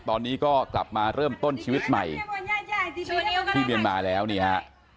ตอนนี้ก็กลับมาเริ่มต้นชีวิตใหม่ที่เมียนมาแล้วนี่ฮะ